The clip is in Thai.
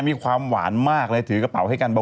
มีความหวานมากเลยถือกระเป๋าให้กันเบา